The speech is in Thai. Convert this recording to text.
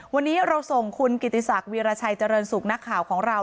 วันนี้เราส่งคุณกิติศักดิราชัยเจริญสุขนักข่าวของเรา